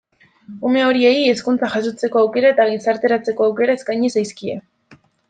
Ume horiei hezkuntza jasotzeko aukera eta gizarteratzeko aukera eskaini zaizkie.